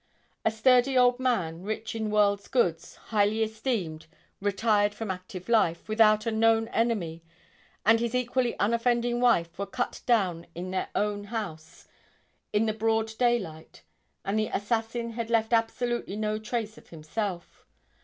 A sturdy old man, rich in this world's goods, highly esteemed, retired from active life, without a known enemy, and his equally unoffending wife were cut down in their own house, in the broad daylight; and the assassin had left absolutely no trace of himself.